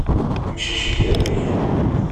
Amcic-ik d aberkan.